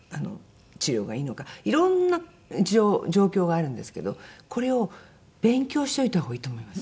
いろんな状況があるんですけどこれを勉強しておいた方がいいと思います。